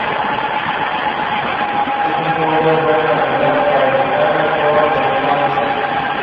Se profundizaron los conocimientos de los jugadores sobre el deporte.